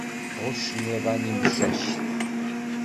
Ɣuccen yiḍan imcac.